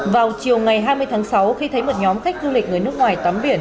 vào chiều ngày hai mươi tháng sáu khi thấy một nhóm khách du lịch người nước ngoài tắm biển